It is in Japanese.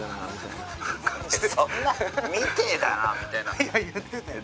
そんな「みてえだな」みたいな言ってたよ